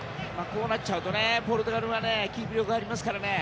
こうなっちゃうとポルトガルはキープ力がありますからね。